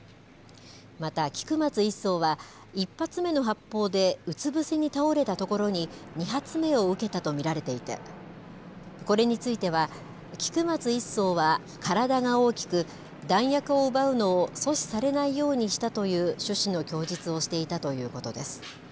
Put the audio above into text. また、菊松１曹は、１発目の発砲でうつ伏せに倒れたところに、２発目を受けたと見られていて、これについては、菊松１曹は体が大きく、弾薬を奪うのを阻止されないようにしたという趣旨の供述をしていたということです。